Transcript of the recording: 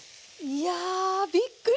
いやびっくり！